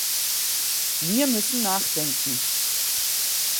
Wir müssen nachdenken.